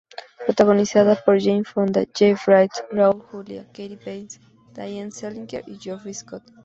Protagonizada por Jane Fonda, Jeff Bridges, Raúl Juliá, Kathy Bates, Diane Salinger, Geoffrey Scott.